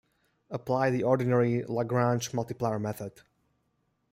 Apply the ordinary Langrange multiplier method.